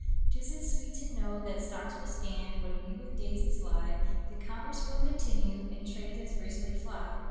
'T is sweet to know that stocks will stand When we with daisies lie, That commerce will continue, And trades as briskly fly.